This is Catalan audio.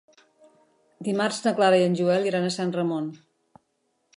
Dimarts na Clara i en Joel iran a Sant Ramon.